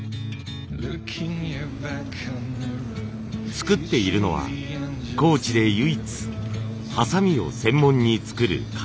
作っているのは高知で唯一鋏を専門に作る鍛冶屋。